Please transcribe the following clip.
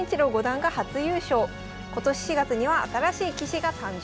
今年４月には新しい棋士が誕生。